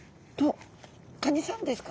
カニさんですか？